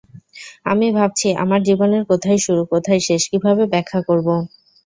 আমি ভাবছি, আমার জীবনের কোথায় শুরু, কোথায় শেষ কীভাবে ব্যাখ্যা করব।